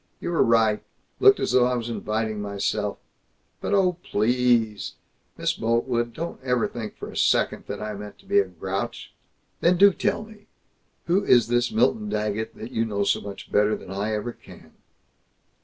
You were right. Looked as though I was inviting myself But, oh, pleassssse, Miss Boltwood, don't ever think for a sec. that I meant to be a grouch " "Then do tell me Who is this Milton Daggett that you know so much better than I ever can?"